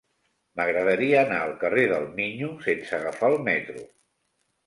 M'agradaria anar al carrer del Miño sense agafar el metro.